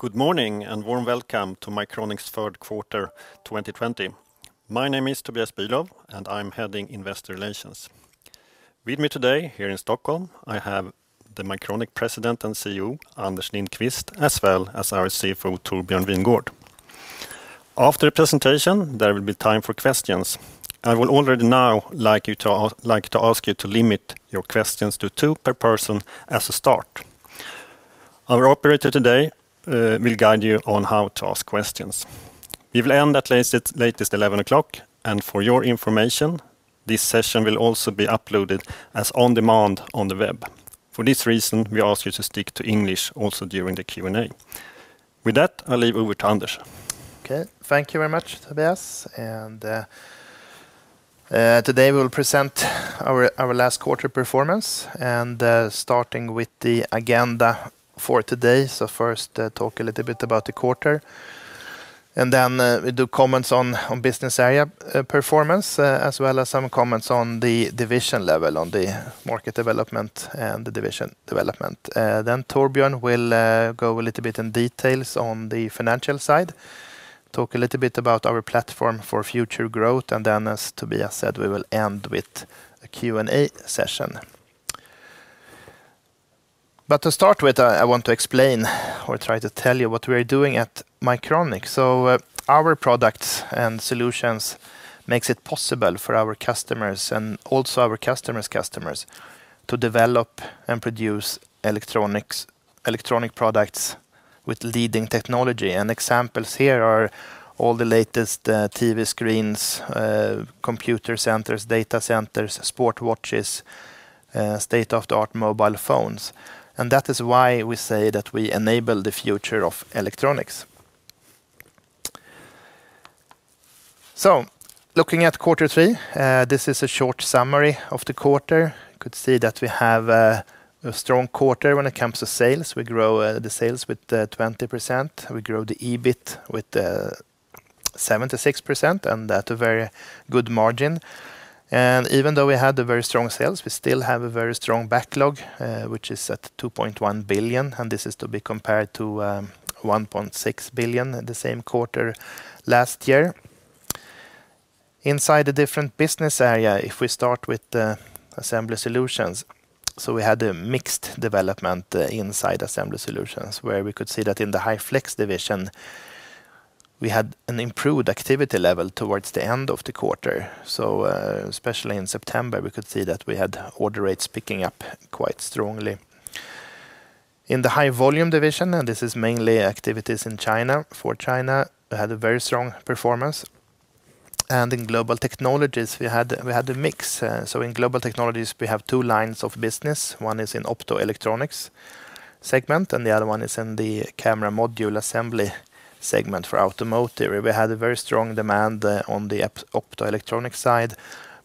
Good morning. Warm welcome to Mycronic's third quarter 2020. My name is Tobias Bülow, and I'm heading Investor Relations. With me today here in Stockholm, I have the Mycronic President and CEO, Anders Lindqvist, as well as our CFO, Torbjörn Wingårdh. After the presentation, there will be time for questions. I would already now like to ask you to limit your questions to two per person as a start. Our operator today will guide you on how to ask questions. We will end at latest 11:00 A.M., and for your information, this session will also be uploaded as on-demand on the web. For this reason, we ask you to stick to English also during the Q&A. With that, I'll leave you with Anders. Okay, thank you very much, Tobias. Today we'll present our last quarter performance and starting with the agenda for today. First, talk a little bit about the quarter, and then we do comments on business area performance, as well as some comments on the division level, on the market development, and the division development. Torbjörn will go a little bit in details on the financial side, talk a little bit about our platform for future growth, and then, as Tobias said, we will end with a Q&A session. To start with, I want to explain or try to tell you what we are doing at Mycronic. Our products and solutions makes it possible for our customers and also our customers' customers to develop and produce electronic products with leading technology. Examples here are all the latest TV screens, computer centers, data centers, sport watches, state-of-the-art mobile phones. That is why we say that we enable the future of electronics. Looking at quarter three, this is a short summary of the quarter. We could see that we have a strong quarter when it comes to sales. We grow the sales with 20%. We grow the EBIT with 76% and at a very good margin. Even though we had the very strong sales, we still have a very strong backlog, which is at 2.1 billion, and this is to be compared to 1.6 billion at the same quarter last year. Inside the different business area, if we start with the Assembly Solutions, we had a mixed development inside Assembly Solutions, where we could see that in the High Flex division, we had an improved activity level towards the end of the quarter. Especially in September, we could see that we had order rates picking up quite strongly. In the High Volume division, this is mainly activities in China, for China, we had a very strong performance. In Global Technologies, we had a mix. In Global Technologies, we have two lines of business. One is in optoelectronics segment, and the other one is in the camera module assembly segment for automotive. We had a very strong demand on the optoelectronic side,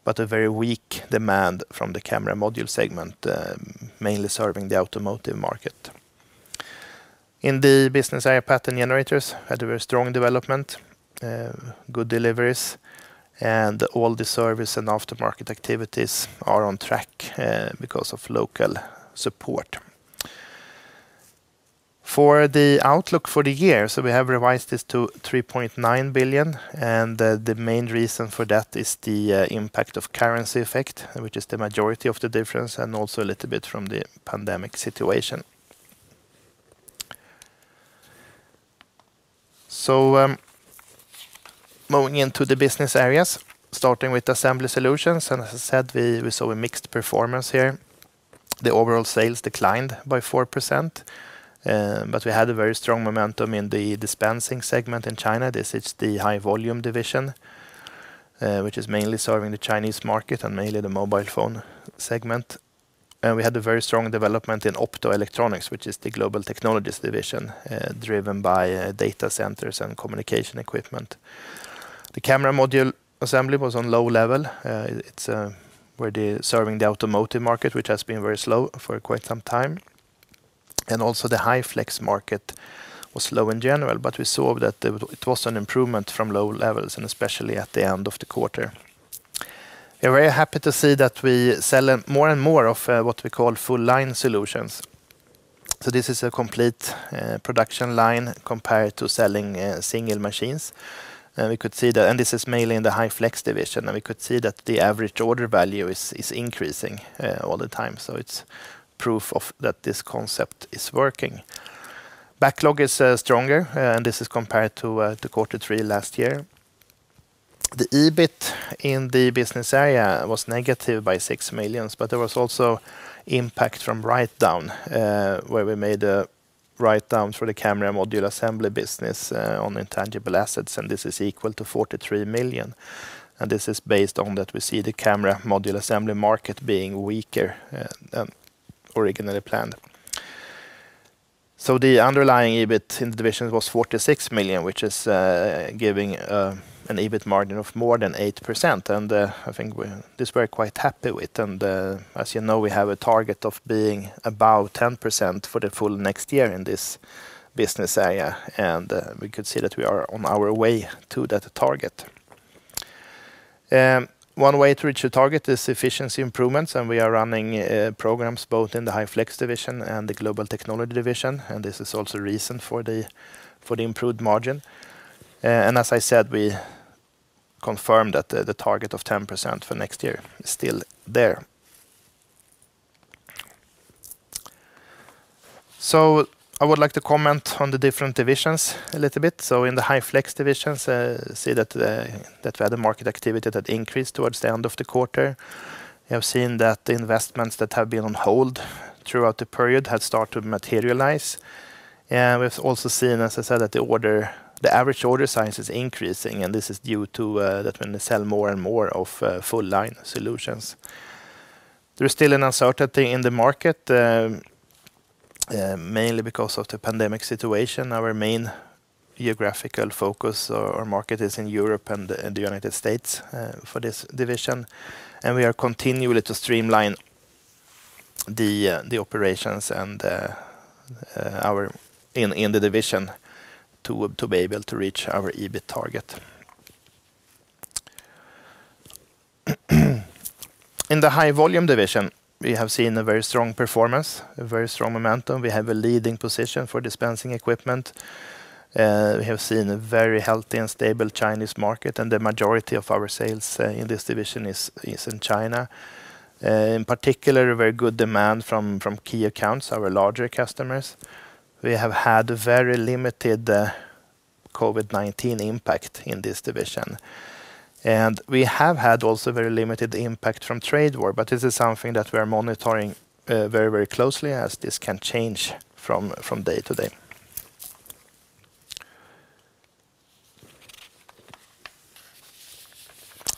but a very weak demand from the camera module segment, mainly serving the automotive market. In the business area, Pattern Generators, had a very strong development, good deliveries, and all the service and aftermarket activities are on track because of local support. For the outlook for the year, we have revised this to 3.9 billion, the main reason for that is the impact of currency effect, which is the majority of the difference, also a little bit from the pandemic situation. Moving into the business areas, starting with Assembly Solutions, as I said, we saw a mixed performance here. The overall sales declined by 4%, but we had a very strong momentum in the dispensing segment in China. This is the High Volume division, which is mainly serving the Chinese market and mainly the mobile phone segment. We had a very strong development in optoelectronics, which is the Global Technologies division, driven by data centers and communication equipment. The camera module assembly was on low level. We are serving the automotive market, which has been very slow for quite some time. Also the High Flex market was low in general, but we saw that it was an improvement from low levels, especially at the end of the quarter. We are very happy to see that we sell more and more of what we call full line solutions. This is a complete production line compared to selling single machines. This is mainly in the High Flex division, and we could see that the average order value is increasing all the time. It is proof of that this concept is working. Backlog is stronger, and this is compared to the Q3 last year. The EBIT in the business area was negative by 6 million, but there was also impact from write-down, where we made a write-down for the camera module assembly business on intangible assets, and this is equal to 43 million. This is based on that we see the camera module assembly market being weaker than originally planned. The underlying EBIT in the division was 46 million, which is giving an EBIT margin of more than 8%. I think this we're quite happy with. As you know, we have a target of being above 10% for the full next year in this business area, and we could see that we are on our way to that target. One way to reach the target is efficiency improvements, and we are running programs both in the High Flex division and the Global Technologies division, this is also reason for the improved margin. As I said, we confirmed that the target of 10% for next year is still there. I would like to comment on the different divisions a little bit. In the High Flex divisions, we see that with market activity that increased towards the end of the quarter, we have seen that the investments that have been on hold throughout the period had started to materialize. We've also seen, as I said, that the average order size is increasing. This is due to that when they sell more and more of full line solutions. There is still an uncertainty in the market, mainly because of the pandemic situation. Our main geographical focus or market is in Europe and the United States for this division. We are continually to streamline the operations in the division to be able to reach our EBIT target. In the High Volume division, we have seen a very strong performance, a very strong momentum. We have a leading position for dispensing equipment. We have seen a very healthy and stable Chinese market. The majority of our sales in this division is in China. In particular, a very good demand from key accounts, our larger customers. We have had very limited COVID-19 impact in this division. We have had also very limited impact from trade war. This is something that we are monitoring very closely as this can change from day to day.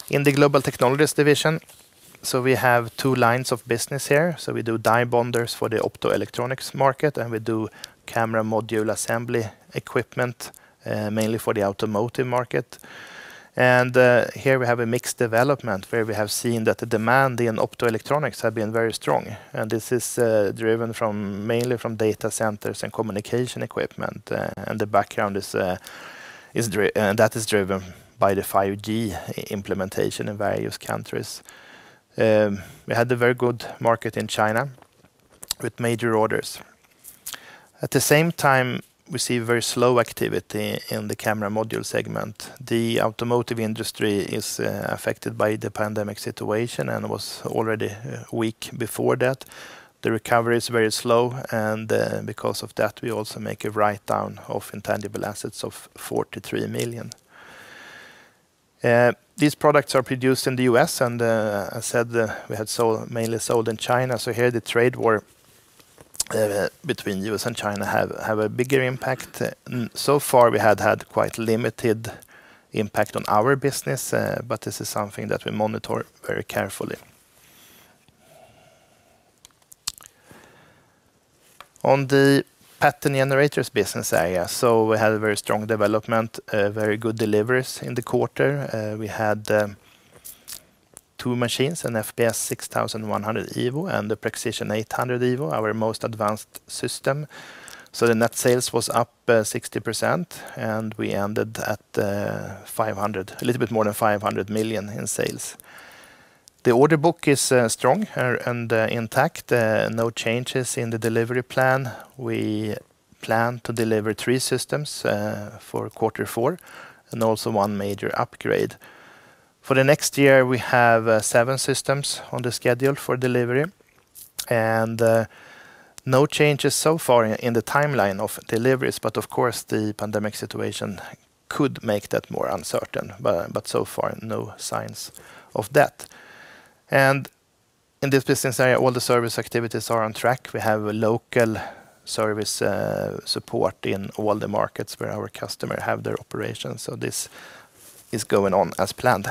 In the Global Technologies division, we have two lines of business here. We do die bonders for the optoelectronics market. We do camera module assembly equipment, mainly for the automotive market. Here we have a mixed development where we have seen that the demand in optoelectronics have been very strong. This is driven mainly from data centers and communication equipment. That is driven by the 5G implementation in various countries. We had the very good market in China with major orders. At the same time, we see very slow activity in the camera module segment. The automotive industry is affected by the pandemic situation and was already weak before that. Because of that, we also make a write-down of intangible assets of 43 million. These products are produced in the U.S. and, as said, we had mainly sold in China. Here the trade war between U.S. and China have a bigger impact. Far, we had quite limited impact on our business. This is something that we monitor very carefully. On the Pattern Generators business area, we had a very strong development, very good deliveries in the quarter. We had two machines, an FPS 6100 Evo and the Prexision 800 Evo, our most advanced system. The net sales was up 60%. We ended at a little bit more than 500 million in sales. The order book is strong and intact. No changes in the delivery plan. We plan to deliver three systems for quarter four and also one major upgrade. For the next year, we have seven systems on the schedule for delivery. No changes so far in the timeline of deliveries. Of course, the pandemic situation could make that more uncertain. So far, no signs of that. In this business area, all the service activities are on track. We have a local service support in all the markets where our customer have their operations. This is going on as planned.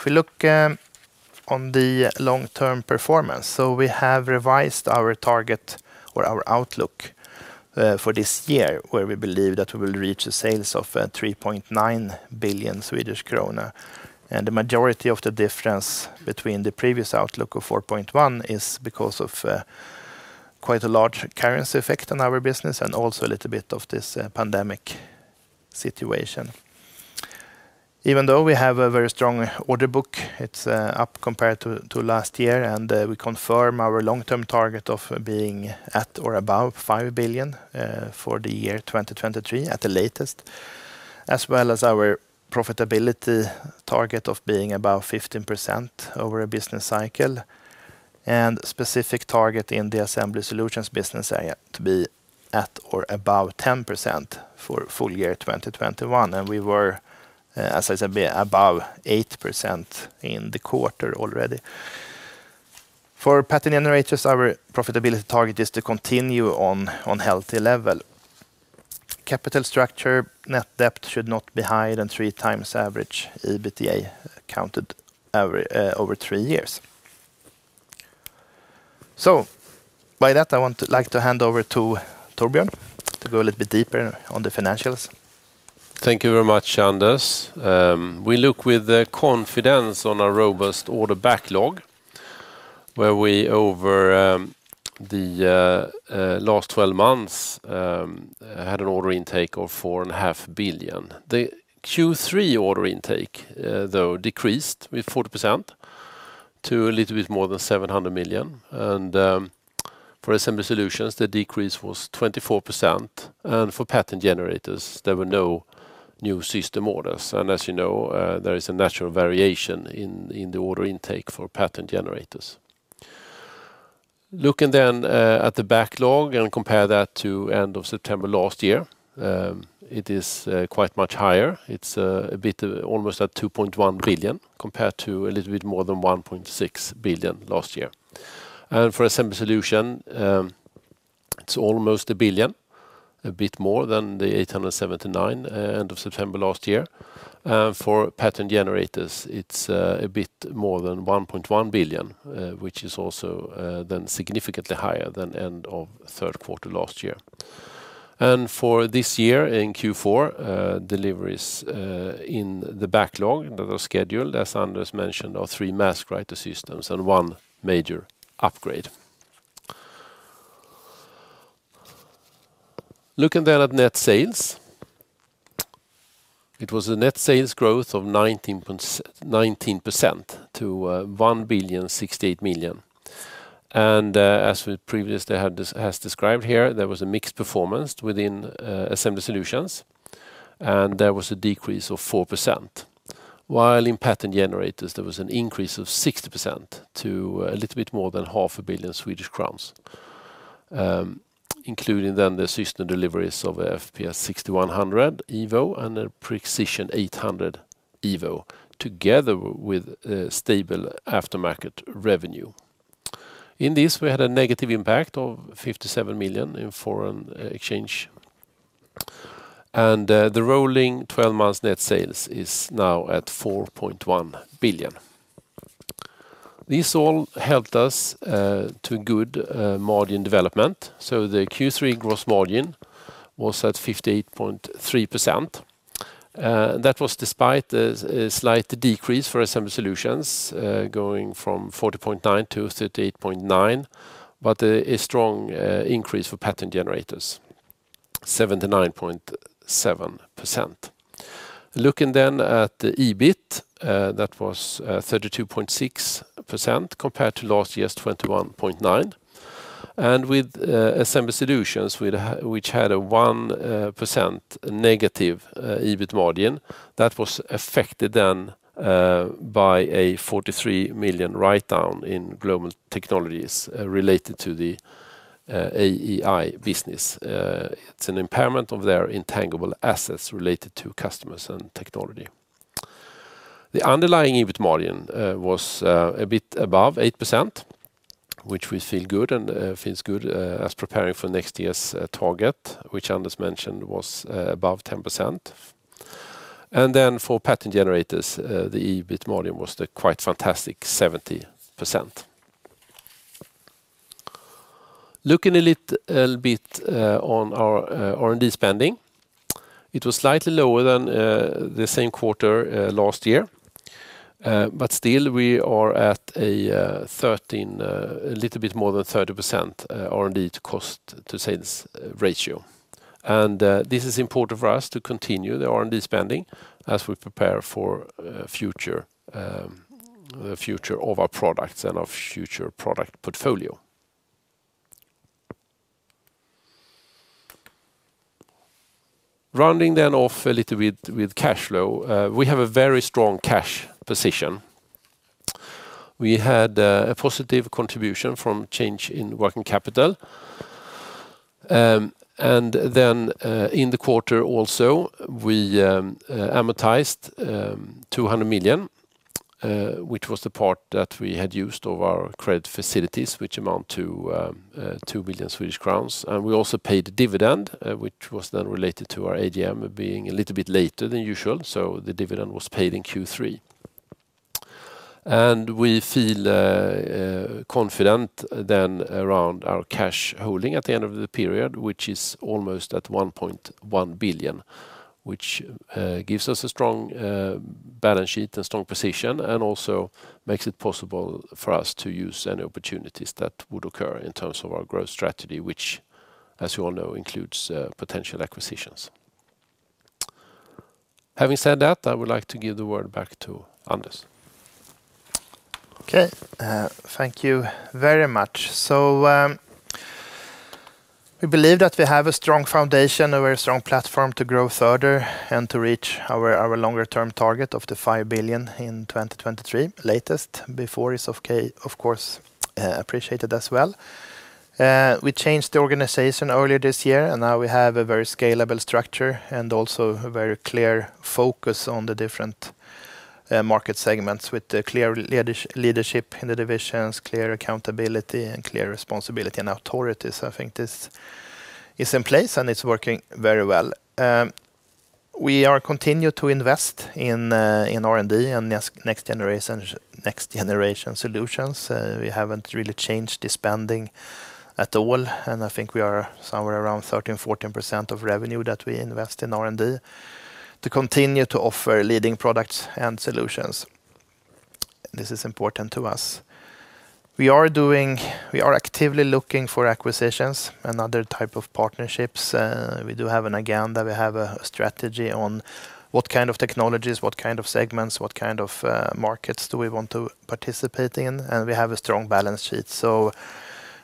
If we look on the long-term performance, we have revised our target or our outlook for this year, where we believe that we will reach a sales of 3.9 billion Swedish krona, and the majority of the difference between the previous outlook of 4.1 billion is because of quite a large currency effect on our business and also a little bit of this pandemic situation. Even though we have a very strong order book, it's up compared to last year, and we confirm our long-term target of being at or above 5 billion for the year 2023 at the latest, as well as our profitability target of being above 15% over a business cycle, and specific target in the Assembly Solutions business area to be at or above 10% for full year 2021. We were, as I said, above 8% in the quarter already. For Pattern Generators, our profitability target is to continue on healthy level. Capital structure net debt should not be higher than 3x average EBITDA counted over three years. With that, I want to like to hand over to Torbjörn to go a little bit deeper on the financials. Thank you very much, Anders. We look with confidence on a robust order backlog. Where we, over the last 12 months, had an order intake of 4.5 billion. The Q3 order intake, though, decreased with 40% to a little bit more than 700 million. For Assembly Solutions, the decrease was 24%, and for Pattern Generators, there were no new system orders. As you know, there is a natural variation in the order intake for Pattern Generators. Looking at the backlog and compare that to end of September last year, it is quite much higher. It's a bit almost at 2.1 billion, compared to a little bit more than 1.6 billion last year. For Assembly Solutions, it's almost 1 billion, a bit more than 879 million end of September last year. For Pattern Generators, it's a bit more than 1.1 billion, which is also significantly higher than end of third quarter last year. For this year, in Q4, deliveries in the backlog that are scheduled, as Anders mentioned, are three mask writer systems and one major upgrade. Looking at net sales. It was a net sales growth of 19% to 1,068 million. As we previously have described here, there was a mixed performance within Assembly Solutions, and there was a decrease of 4%. While in Pattern Generators, there was an increase of 60% to a little bit more than half a billion SEK, including the system deliveries of FPS 6100 Evo and a Prexision 800 Evo, together with stable aftermarket revenue. In this, we had a negative impact of 57 million in foreign exchange. The rolling 12 months net sales is now at 4.1 billion. This all helped us to good margin development. The Q3 gross margin was at 58.3%. That was despite a slight decrease for Assembly Solutions, going from 40.9% to 38.9%, but a strong increase for Pattern Generators, 79.7%. Looking then at the EBIT, that was 32.6% compared to last year's 21.9%. With Assembly Solutions, which had a -1% EBIT margin, that was affected then by a 43 million writedown in Global Technologies related to the AEi business. It's an impairment of their intangible assets related to customers and technology. The underlying EBIT margin was a bit above 8%, which we feel good and feels good as preparing for next year's target, which Anders mentioned was above 10%. For Pattern Generators, the EBIT margin was the quite fantastic 70%. Looking a little bit on our R&D spending. It was slightly lower than the same quarter last year. Still we are at a little bit more than 30% R&D to cost to sales ratio. This is important for us to continue the R&D spending as we prepare for the future of our products and our future product portfolio. Rounding then off a little bit with cash flow. We have a very strong cash position. We had a positive contribution from change in working capital. Then, in the quarter also, we amortized 200 million, which was the part that we had used of our credit facilities, which amount to 2 billion Swedish crowns. We also paid dividend, which was then related to our AGM being a little bit later than usual, so the dividend was paid in Q3. We feel confident then around our cash holding at the end of the period, which is almost at 1.1 billion, which gives us a strong balance sheet and strong position, and also makes it possible for us to use any opportunities that would occur in terms of our growth strategy, which, as you all know, includes potential acquisitions. Having said that, I would like to give the word back to Anders. Okay. Thank you very much. We believe that we have a strong foundation, a very strong platform to grow further and to reach our longer-term target of 5 billion in 2023, latest. Before is, of course, appreciated as well. We changed the organization earlier this year. Now we have a very scalable structure and also a very clear focus on the different market segments with clear leadership in the divisions, clear accountability, and clear responsibility and authorities. I think this is in place. It's working very well. We are continue to invest in R&D and next generation solutions. We haven't really changed the spending at all. I think we are somewhere around 13%-14% of revenue that we invest in R&D to continue to offer leading products and solutions. This is important to us. We are actively looking for acquisitions and other type of partnerships. We do have an agenda. We have a strategy on what kind of technologies, what kind of segments, what kind of markets do we want to participate in. We have a strong balance sheet.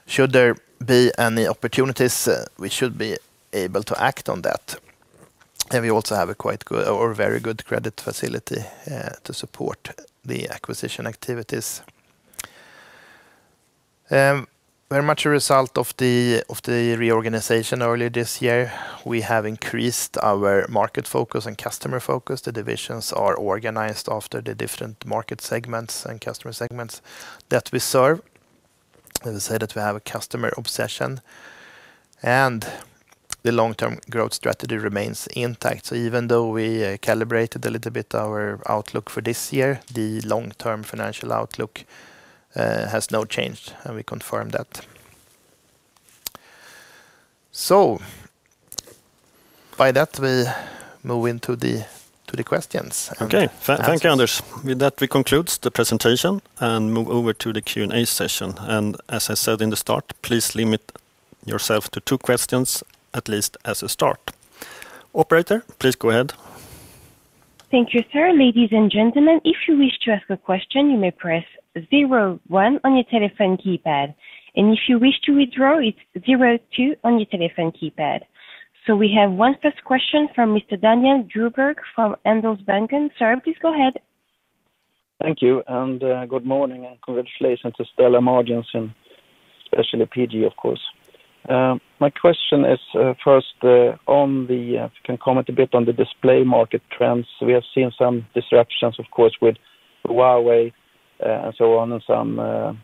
Should there be any opportunities, we should be able to act on that. We also have a very good credit facility to support the acquisition activities. Very much a result of the reorganization earlier this year, we have increased our market focus and customer focus. The divisions are organized after the different market segments and customer segments that we serve. As I said, we have a customer obsession and the long-term growth strategy remains intact. Even though we calibrated a little bit our outlook for this year, the long-term financial outlook has not changed. We confirm that. By that, we move into the questions. Okay. Thank you, Anders. With that, we conclude the presentation and move over to the Q&A session. As I said in the start, please limit yourself to two questions, at least as a start. Operator, please go ahead. Thank you, sir. Ladies and gentlemen, if you wish to ask a question, you may press zero one on your telephone keypad, and if you wish to withdraw, it's zero two on your telephone keypad. We have one first question from Mr. Daniel Djurberg from Handelsbanken. Sir, please go ahead. Thank you, and good morning, and congratulations to stellar margins and especially PG, of course. My question is, first, if you can comment a bit on the display market trends. We have seen some disruptions, of course, with Huawei, and so on, and some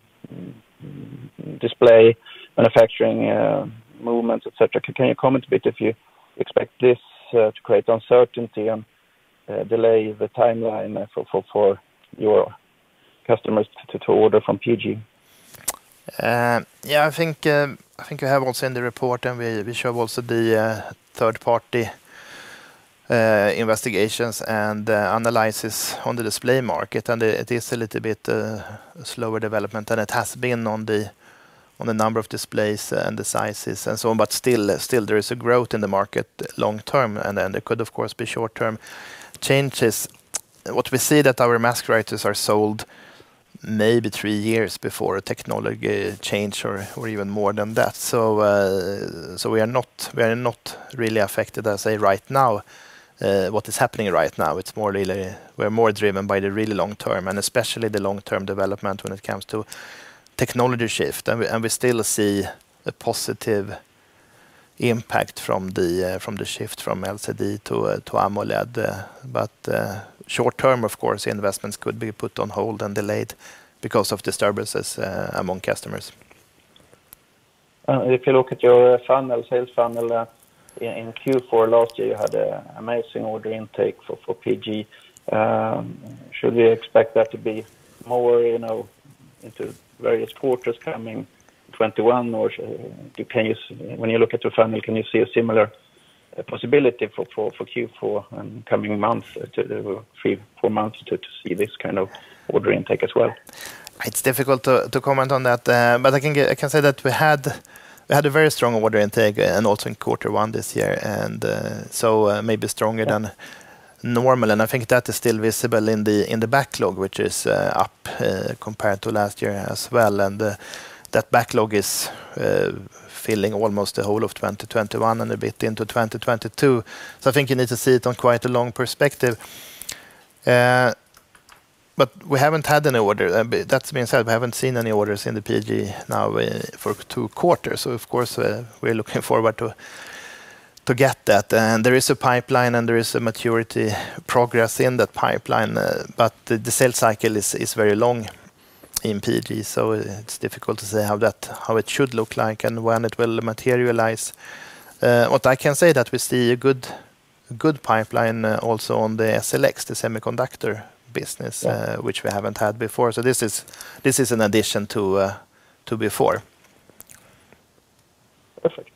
display manufacturing movements, et cetera. Can you comment a bit if you expect this to create uncertainty and delay the timeline for your customers to order from PG? Yeah, I think you have also in the report, and we show also the third-party investigations and analysis on the display market, and it is a little bit slower development than it has been on the number of displays and the sizes and so on. Still, there is a growth in the market long term, and there could, of course, be short-term changes. What we see that our mask writers are sold maybe three years before a technology change or even more than that. We are not really affected, I say right now, what is happening right now. We're more driven by the really long-term and especially the long-term development when it comes to technology shift. We still see a positive impact from the shift from LCD to AMOLED. Short term, of course, investments could be put on hold and delayed because of disturbances among customers. If you look at your sales funnel in Q4 last year, you had an amazing order intake for PG. Should we expect that to be more into various quarters coming 2021, or it depends? When you look at your funnel, can you see a similar possibility for Q4 and coming months, three, four months to see this kind of order intake as well? I can say that we had a very strong order intake also in quarter one this year, maybe stronger than normal. I think that is still visible in the backlog, which is up compared to last year as well. That backlog is filling almost the whole of 2021 and a bit into 2022. I think you need to see it on quite a long perspective. We haven't had any order. That being said, we haven't seen any orders in the PG now for two quarters. Of course, we're looking forward to get that. There is a pipeline, and there is a maturity progress in that pipeline, but the sales cycle is very long in PG, it's difficult to say how it should look like and when it will materialize. What I can say that we see a good pipeline also on the SLX, the semiconductor business. Yeah. Which we haven't had before. This is an addition to before. Perfect.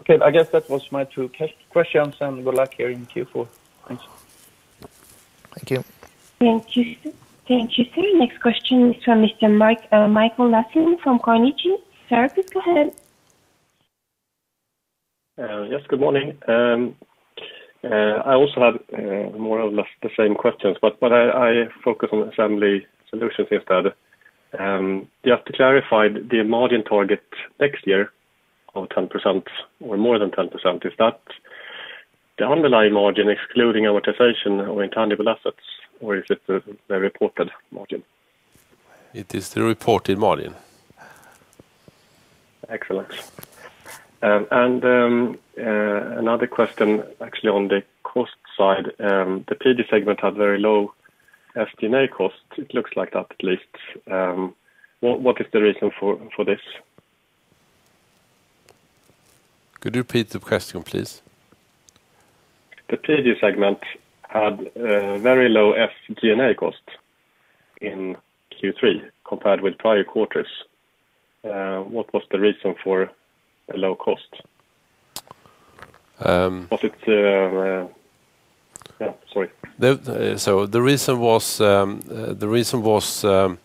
Okay, I guess that was my two questions, and good luck here in Q4. Thanks. Thank you. Thank you, sir. Next question is from Mr. Mikael Laséen from Carnegie. Sir, please go ahead. Yes, good morning. I also have more of the same questions. I focus on Assembly Solutions instead. Just to clarify the margin target next year of 10% or more than 10%, is that the underlying margin excluding amortization or intangible assets, or is it the reported margin? It is the reported margin. Excellent. Another question actually on the cost side. The PG segment had very low SG&A costs. It looks like that at least. What is the reason for this? Could you repeat the question, please? The PG segment had very low SG&A costs in Q3 compared with prior quarters. What was the reason for a low cost? The reason was partly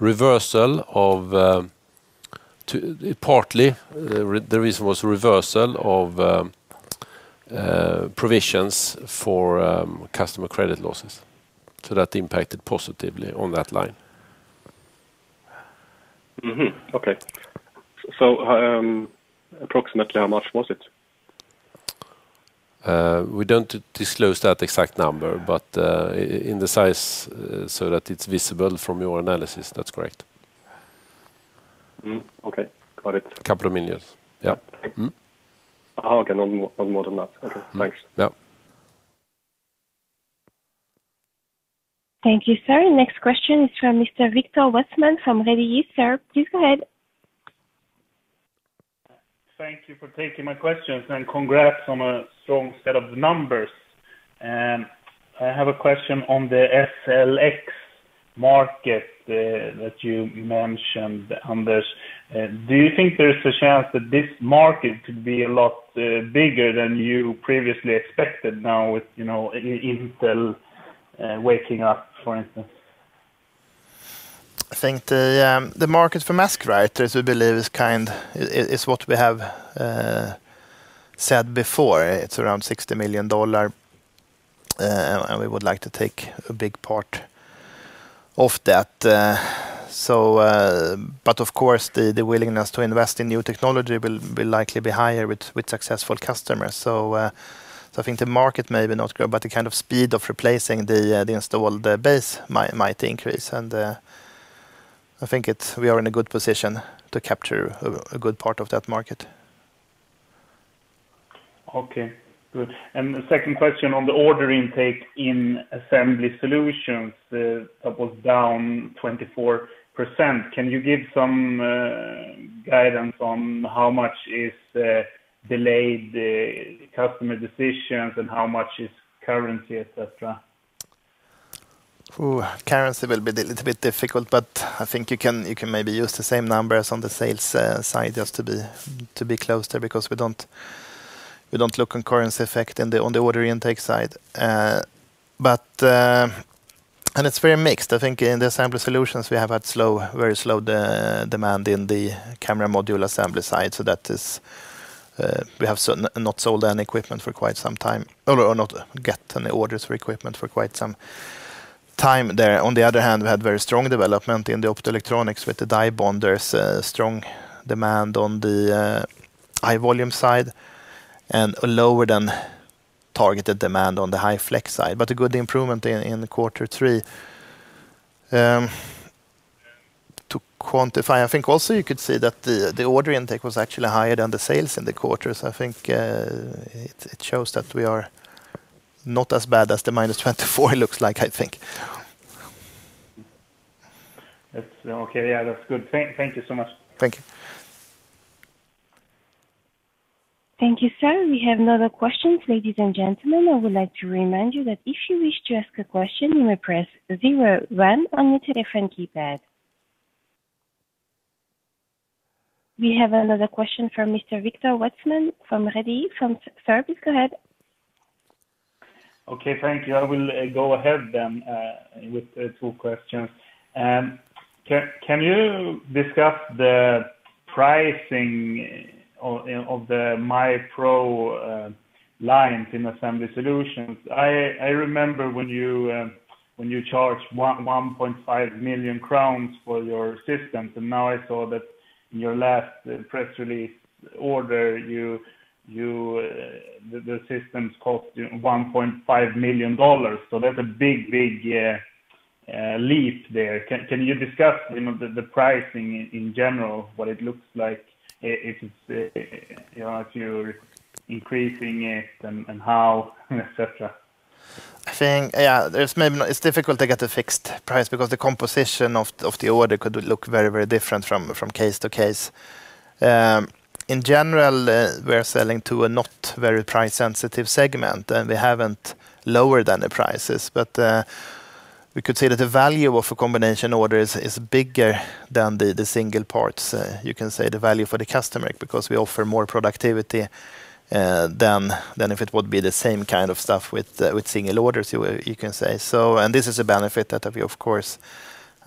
reversal of provisions for customer credit losses. That impacted positively on that line. Okay. Approximately how much was it? We don't disclose that exact number, but in the size so that it's visible from your analysis. That's correct. Mm-hmm. Okay, got it. A couple of millions. Yep. Mm-hmm. Okay. No, more than that. Okay, thanks. Yep. Thank you, sir. Next question is from Mr. Viktor Westman from Redeye. Sir, please go ahead. Thank you for taking my questions, and congrats on a strong set of numbers. I have a question on the SLX market that you mentioned, Anders. Do you think there's a chance that this market could be a lot bigger than you previously expected now with Intel waking up, for instance? I think the market for mask writers we believe is what we have said before, it's around SEK 60 million. We would like to take a big part of that. Of course, the willingness to invest in new technology will likely be higher with successful customers. I think the market may not grow, but the speed of replacing the installed base might increase, and I think we are in a good position to capture a good part of that market. Okay, good. The second question on the order intake in Assembly Solutions, that was down 24%. Can you give some guidance on how much is delayed customer decisions and how much is currency, et cetera? Currency will be a little bit difficult, but I think you can maybe use the same numbers on the sales side just to be close there because we don't look at currency effect on the order intake side. It's very mixed. I think in the Assembly Solutions, we have had very slow demand in the camera module assembly side. We have not sold any equipment for quite some time, or not get any orders for equipment for quite some time there. On the other hand, we had very strong development in the optoelectronics with the die bonders, strong demand on the High Volume side, and lower than targeted demand on the High Flex side, but a good improvement in the quarter three. To quantify, I think also you could say that the order intake was actually higher than the sales in the quarters. I think it shows that we are not as bad as the -24 looks like, I think. Okay. Yeah, that's good. Thank you so much. Thank you. Thank you, sir. We have no other questions. Ladies and gentlemen, I would like to remind you that if you wish to ask a question, you may press zero one on your telephone keypad. We have another question from Mr. Viktor Westman from Redeye. Sir, please go ahead. Okay, thank you. I will go ahead then with two questions. Can you discuss the pricing of the MYPro Lines in Assembly Solutions? I remember when you charged 1.5 million crowns for your systems, and now I saw that in your last press release order, the systems cost you $1.5 million. That's a big, big leap there. Can you discuss the pricing in general, what it looks like, if you're increasing it and how, et cetera? It's difficult to get a fixed price because the composition of the order could look very different from case to case. In general, we're selling to a not very price-sensitive segment, and we haven't lowered the prices. We could say that the value of a combination order is bigger than the single parts, you can say the value for the customer, because we offer more productivity, than if it would be the same kind of stuff with single orders, you can say. This is a benefit that we of course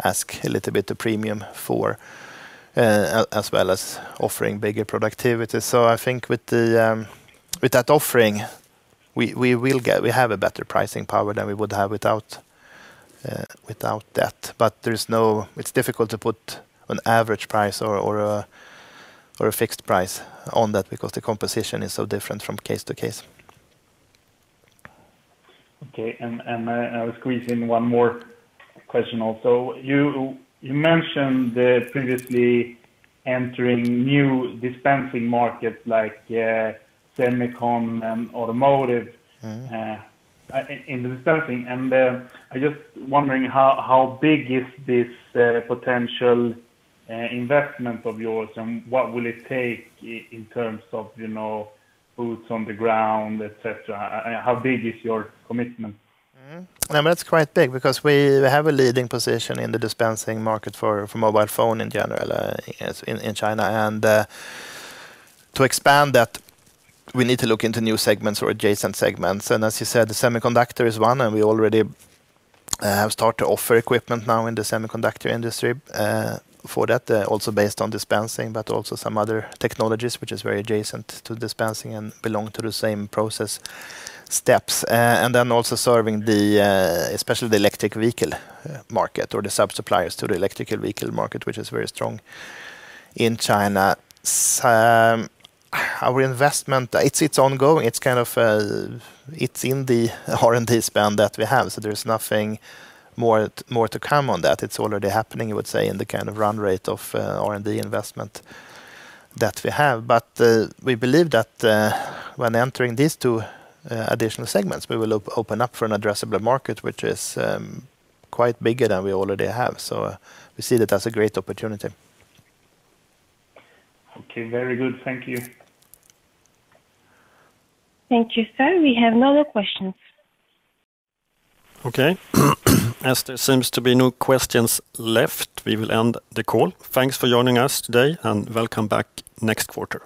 ask a little bit a premium for, as well as offering bigger productivity. I think with that offering, we have a better pricing power than we would have without that. It's difficult to put an average price or a fixed price on that because the composition is so different from case to case. Okay. I will squeeze in one more question also. You mentioned previously entering new dispensing markets like semicon and automotive in the dispensing, and I'm just wondering how big is this potential investment of yours, and what will it take in terms of boots on the ground, et cetera? How big is your commitment? That's quite big because we have a leading position in the dispensing market for mobile phone in general in China. To expand that, we need to look into new segments or adjacent segments. As you said, the semiconductor is one, and we already have started to offer equipment now in the semiconductor industry, for that, also based on dispensing, but also some other technologies, which is very adjacent to dispensing and belong to the same process steps. Also serving especially the electric vehicle market or the sub-suppliers to the electric vehicle market, which is very strong in China. Our investment, it's ongoing. It's in the R&D spend that we have. There's nothing more to come on that. It's already happening, I would say, in the kind of run rate of R&D investment that we have. We believe that when entering these two additional segments, we will open up for an addressable market, which is quite bigger than we already have. We see that as a great opportunity. Okay. Very good. Thank you. Thank you, sir. We have no other questions. Okay. As there seems to be no questions left, we will end the call. Thanks for joining us today, welcome back next quarter.